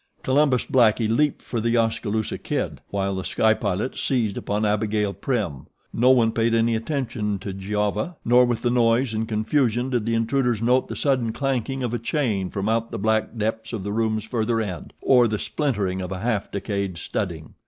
Columbus Blackie leaped for The Oskaloosa Kid, while The Sky Pilot seized upon Abigail Prim. No one paid any attention to Giova, nor, with the noise and confusion, did the intruders note the sudden clanking of a chain from out the black depths of the room's further end, or the splintering of a half decayed studding.